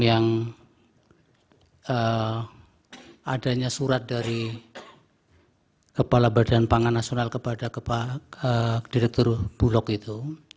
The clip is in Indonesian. yang adanya surat dari kepala badan pangan nasional kepada direktur bulog itu